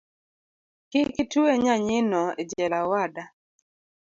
Kik itwe nyanyino ejela owada